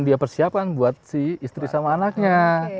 dia persiapkan buat si istri sama anaknya